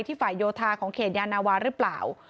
ฝ่ายโยธาของเขตยานาวาหรือเปล่า